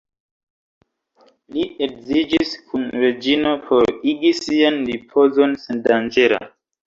Li edziĝis kun Reĝino por igi sian ripozon sendanĝera.